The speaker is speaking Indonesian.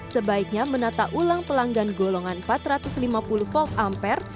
sebaiknya menata ulang pelanggan golongan empat ratus lima puluh v ampere